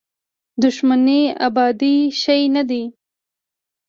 دښمني ابدي شی نه دی.